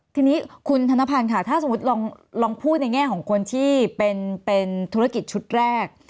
ทีนี้คุณธนพันธ์ค่ะถ้าสมมุติลองพูดในแง่ของคนที่เป็นธุรกิจชุดแรก